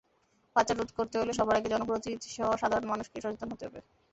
পাচার রোধ করতে হলে সবার আগে জনপ্রতিনিধিসহ সাধারণ মানুষকে সচেতন হতে হবে।